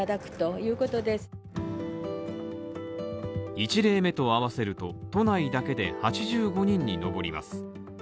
１例目と合わせると、都内だけで８５人に上ります。